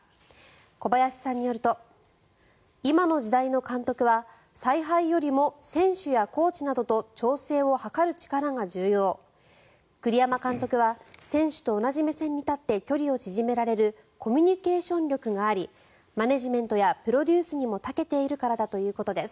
小林さんによると今の時代の監督は采配よりも選手やコーチなどと調整を図る力が重要栗山監督は選手と同じ目線に立って距離を縮められるコミュニケーション力がありマネジメントやプロデュースにも長けているからだということです。